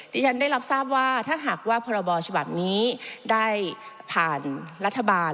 ที่ฉันได้รับทราบว่าถ้าหากว่าพรบฉบับนี้ได้ผ่านรัฐบาล